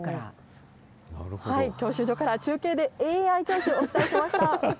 教習所から中継で、ＡＩをお伝えしました。